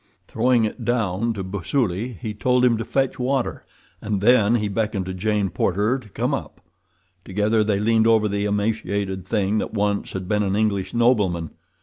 Throwing it down to Busuli, he told him to fetch water, and then he beckoned Jane Porter to come up. Together they leaned over the emaciated thing that once had been an English nobleman.